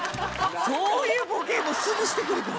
そういうボケすぐしてくるから！